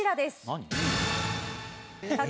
何？